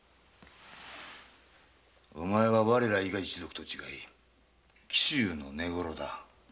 お前は我ら伊賀一族と違い紀州の根来だ。